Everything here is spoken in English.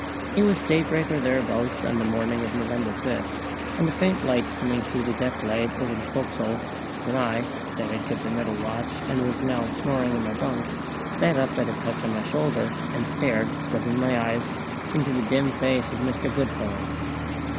It was daybreak or thereabouts on the morning of November 5 and a faint light coming through the decklight over the fo'c's'le when I, that had kept the middle watch and was now snoring in my bunk, sat up at a touch on my shoulder, and stared, rubbing my eyes, into the dim face of Mr. Goodfellow.